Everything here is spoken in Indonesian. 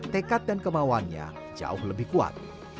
tekad dan kemauannya jauh lebih kuat